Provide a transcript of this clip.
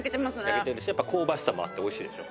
焼けてるしねやっぱ香ばしさもあって美味しいでしょ？